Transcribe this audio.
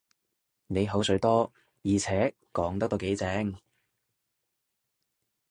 你口水多，而且講得都幾正